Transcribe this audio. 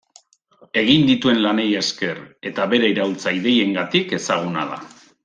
Egin dituen lanei esker eta bere iraultza ideiengatik ezaguna da.